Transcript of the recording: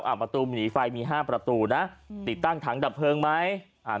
ประตูหนีไฟมีห้าประตูนะอืมติดตั้งถังดับเพลิงไหมอ่า